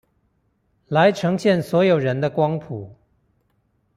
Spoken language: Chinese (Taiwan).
來呈現所有人的光譜